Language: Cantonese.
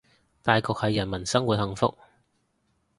大局係人民生活幸福